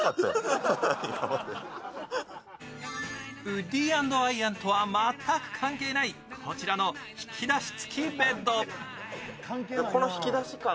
ウッディ＆アイアンとは全く関係ないこちらの引き出し付きベッド。